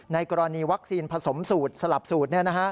กรณีวัคซีนผสมสูตรสลับสูตร